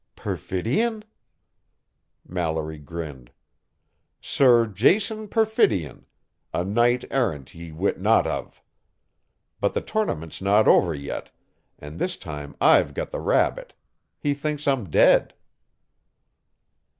"Perfidion?" Mallory grinned. "Sir Jason Perfidion a knight errant ye wit not of. But the tournament's not over yet, and this time I've got the rabbit: he thinks I'm dead."